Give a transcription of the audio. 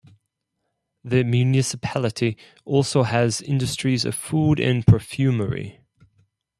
The municipality also has industries of food and perfumery.